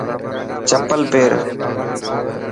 چپل پير.